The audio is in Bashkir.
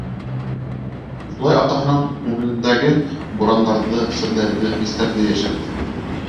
Шулай атаһынан күңелендәге бурандарҙы, серҙәрҙе, хистәрҙе йәшерҙе.